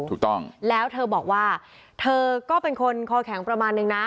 ถูกต้องแล้วเธอบอกว่าเธอก็เป็นคนคอแข็งประมาณนึงนะ